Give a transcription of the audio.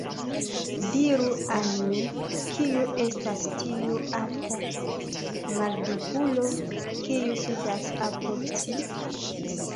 Diru al mi, kiu estas tiu alta maldikulo, kiu sidas apud ci?